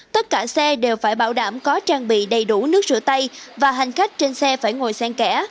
tất cả xe đều phải bảo đảm có trang bị đầy đủ nước sửa tay và hành khách trên xe phải ngồi sen kẻ